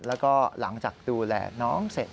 แล้วก็หลังจากดูแลน้องเสร็จ